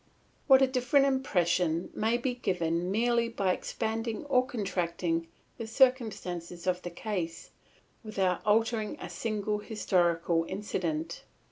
What a different impression may be given merely by expanding or contracting the circumstances of the case without altering a single historical incident.